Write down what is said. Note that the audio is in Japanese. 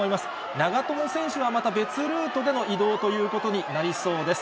長友選手はまた別ルートでの移動ということになりそうです。